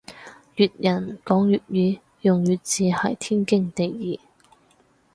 粵人講粵語用粵字係天經地義